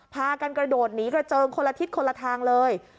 พากันกระโดดหนีกระเจิงคนละทิศคนละทางเลย